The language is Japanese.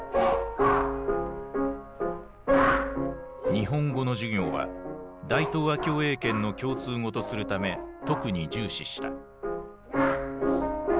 日本語の授業は大東亜共栄圏の共通語とするため特に重視した。